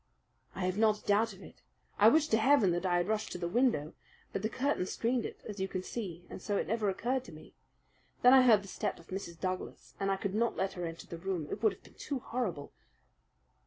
"I have not a doubt of it. I wish to heaven that I had rushed to the window! But the curtain screened it, as you can see, and so it never occurred to me. Then I heard the step of Mrs. Douglas, and I could not let her enter the room. It would have been too horrible."